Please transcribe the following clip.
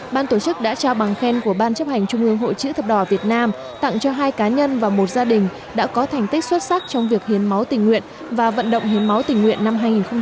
ban tổ chức đã trao bằng khen của ban chấp hành trung ương hội chữ thập đỏ việt nam tặng cho hai cá nhân và một gia đình đã có thành tích xuất sắc trong việc hiến máu tình nguyện và vận động hiến máu tỉnh nguyện năm hai nghìn một mươi chín